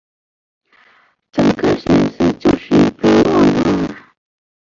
整个显示就是一个乱啊